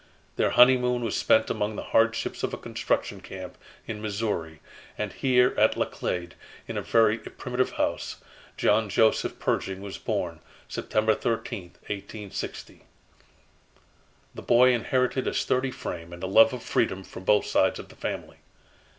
Their honeymoon was spent among the hardships of a construction camp in Missouri; and here at Laclede, in a very primitive house, John Joseph Pershing was born, September 13, 1860. The boy inherited a sturdy frame and a love of freedom from both sides of the family.